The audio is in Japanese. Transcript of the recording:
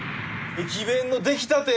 駅弁の出来たて？